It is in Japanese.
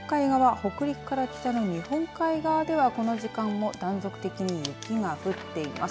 北陸から北の日本海側ではこの時間も断続的に雪が降っています。